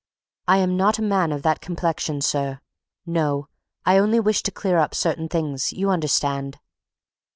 "I am not a man of that complexion, sir. No! I only wished to clear up certain things, you understand."